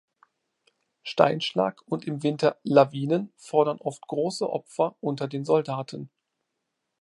Steinschlag und im Winter Lawinen fordern oft große Opfer unter den Soldaten.